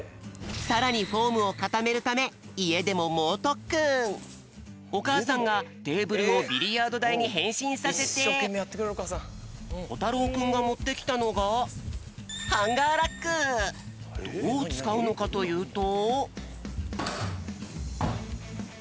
さらにフォームをかためるためおかあさんがテーブルをビリヤードだいにへんしんさせてこたろうくんがもってきたのがどうつかうのかというと。